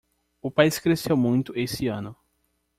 O país cresceu muito esse ano.